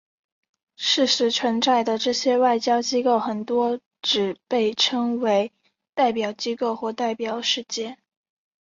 事实存在的这些外交机构很多是只被称为代表机构或代表使节。